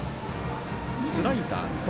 スライダーですか。